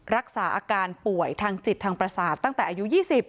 รักษาอาการป่วยทางจิตทางประสาทตั้งแต่อายุ๒๐